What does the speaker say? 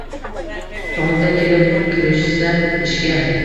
Tongda kelib, kirishsa ishga